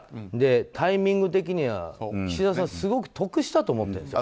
タイミング的には、岸田さん得したと思ってるんですよ。